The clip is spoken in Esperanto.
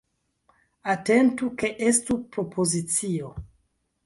Atentu ke estu propozicio.